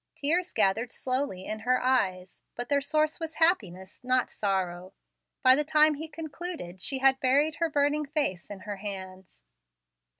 Tears gathered slowly in her eyes, but their source was happiness, not sorrow. By the time he concluded, she had buried her burning face in her hands.